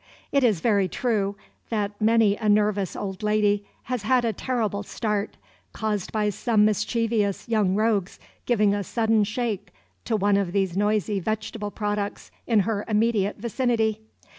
It is very true, that many a nervous old lady has had a terrible start, caused by some mischievous young rogue's giving a sudden shake to one of these noisy vegetable products in her immediate vicinity.